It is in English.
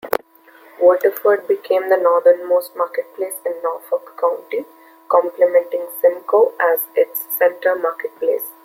Waterford became the northernmost marketplace in Norfolk County; complementing Simcoe as its center marketplace.